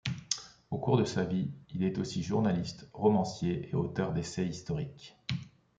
Au cours de sa vie, il est aussi journaliste, romancier et auteur d'essais historiques.